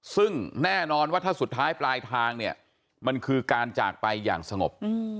ซึ่งแน่นอนว่าถ้าสุดท้ายปลายทางเนี่ยมันคือการจากไปอย่างสงบ